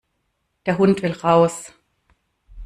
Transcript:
Der Hund will raus.